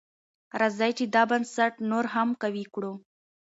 راځئ چې دا بنسټ نور هم قوي کړو.